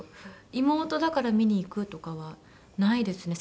妹だから見にいくとかはないですね。